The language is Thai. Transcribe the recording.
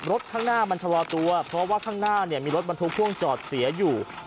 ข้างหน้ามันชะลอตัวเพราะว่าข้างหน้าเนี่ยมีรถบรรทุกพ่วงจอดเสียอยู่